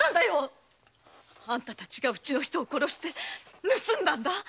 あんたたちがうちの人を殺して盗んだんだ。